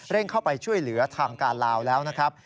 เข้าไปช่วยเหลือทางการลาวแล้วนะครับ